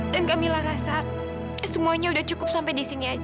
dan kamila rasa semuanya udah cukup sampai disini aja